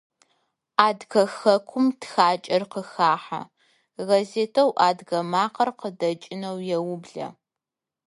Адыгэ хэкум тхакӏэр къыхахы, гъэзетэу «Адыгэ макъэр» къыдэкӏынэу еублэ.